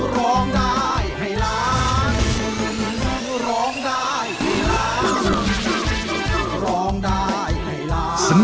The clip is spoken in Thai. ร้องได้ให้ร้าง